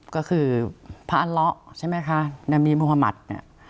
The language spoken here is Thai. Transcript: ก็คือพระอัลเลาะใช่ไหมคะนามีมุธมัติ